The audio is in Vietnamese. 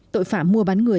tội phạm mua bán người